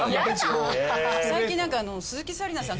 最近何か鈴木紗理奈さん